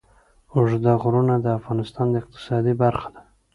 اوږده غرونه د افغانستان د اقتصاد برخه ده.